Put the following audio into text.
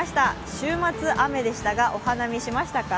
週末、雨でしたがお花見、しましたか？